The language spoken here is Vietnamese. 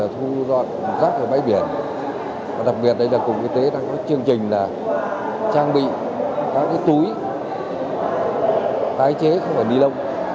thu gom rác ở bãi biển đặc biệt là cục y tế đang có chương trình trang bị các túi tái chế không phải ni lông